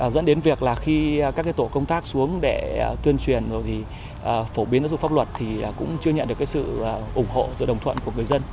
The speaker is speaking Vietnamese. dẫn đến việc là khi các tổ công tác xuống để tuyên truyền rồi thì phổ biến giáo dục pháp luật thì cũng chưa nhận được sự ủng hộ sự đồng thuận của người dân